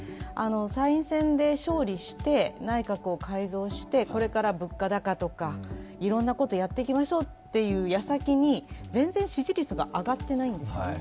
参院選で勝利して内閣を改造してこれから物価高とか、いろんなことやっていきましょうという矢先に全然支持率が上がっていないんですよね。